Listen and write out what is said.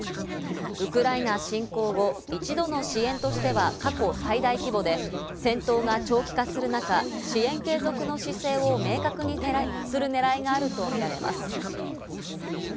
ウクライナ侵攻後、一度の支援としては過去最大規模で、戦闘が長期化する中、支援継続の姿勢を明確にするねらいがあるとみられます。